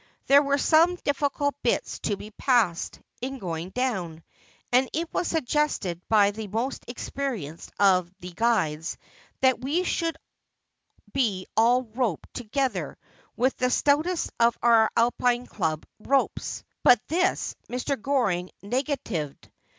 There were some difficult bits to be passed in going down, and it was suggested by the most experienced of the guides that we should be all roped to gether with the stoutest of our Alpine Club ropes. But this Mr. Goring negatived.